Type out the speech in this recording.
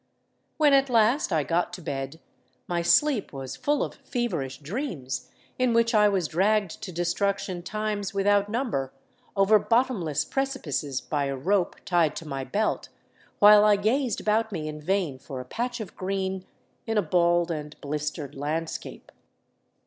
When at last I got to bed, my sleep was full of feverish dreams in which I was dragged to destruction times without number over bottomless precipices by a rope tied to my belt, while I gazed about me in vain for a patch of green In a bald and blistered landscape.